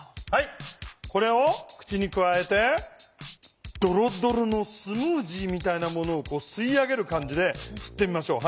これを口にくわえてドロドロのスムージーみたいなものをすい上げる感じですってみましょう。